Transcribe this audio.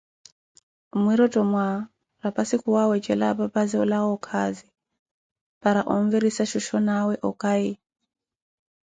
Mmwirothomwa, raphassi khuwaawetja apapaze oolawa okazi, para onvirissa shoshonawe okay hi.